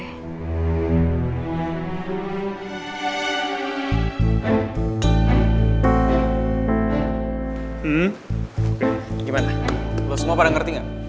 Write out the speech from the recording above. hmm gimana lo semua pada ngerti gak